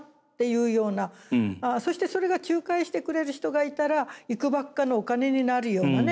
そしてそれが仲介してくれる人がいたらいくばくかのお金になるようなね